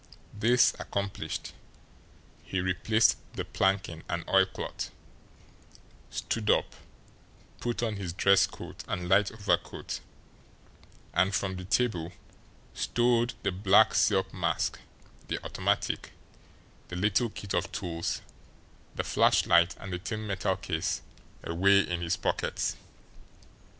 This accomplished, he replaced the planking and oilcloth, stood up, put on his dress coat and light overcoat, and, from the table, stowed the black silk mask, the automatic, the little kit of tools, the flashlight, and the thin metal case away in his pockets.